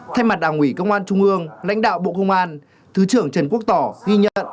thay mặt đảng ủy công an trung ương lãnh đạo bộ công an thứ trưởng trần quốc tỏ ghi nhận